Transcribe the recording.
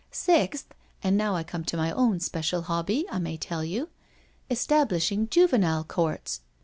Sixth— and now I come to my own special hobby, I may tell you — establishing Juvenile Courts.